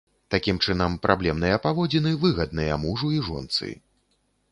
Такім чынам, праблемныя паводзіны выгадныя мужу і жонцы.